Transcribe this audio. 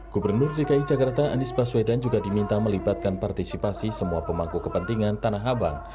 gubernur dki jakarta anies baswedan juga diminta melibatkan partisipasi semua pemangku kepentingan tanah abang